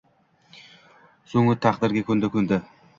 So‘ng u „taqdirga ko‘nikdi, ko‘ndi –